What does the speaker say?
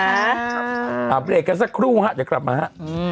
อัพเรทกันสักครู่ค่ะเดี๋ยวกลับมา